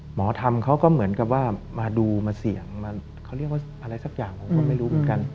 หมอธรรมเขาก็เหมือนกับว่ามาดูมาเสี่ยงมาเขาเรียกว่าอะไรสักอย่างผมก็ไม่รู้เหมือนกัน